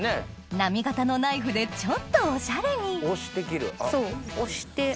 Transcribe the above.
波形のナイフでちょっとおしゃれに押して切る。